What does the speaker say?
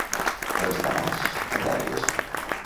Els d'Anàs, dallaires.